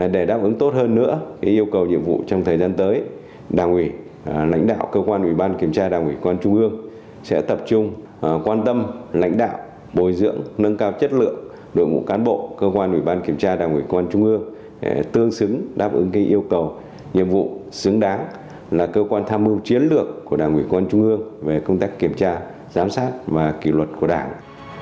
để đáp ứng tốt hơn nữa yêu cầu nhiệm vụ trong thời gian tới đảng ủy lãnh đạo cơ quan ủy ban kiểm tra đảng ủy quan trung ương sẽ tập trung quan tâm lãnh đạo bồi dưỡng nâng cao chất lượng đội ngũ cán bộ cơ quan ủy ban kiểm tra đảng ủy quan trung ương tương xứng đáp ứng yêu cầu nhiệm vụ xứng đáng là cơ quan tham mưu chiến lược của đảng ủy quan trung ương về công tác kiểm tra giám sát và kỷ luật của đảng